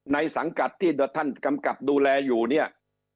สังกัดที่ท่านกำกับดูแลอยู่เนี่ย